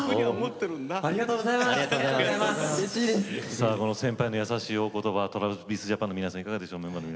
さあこの先輩の優しいお言葉ＴｒａｖｉｓＪａｐａｎの皆さんいかがでしょう？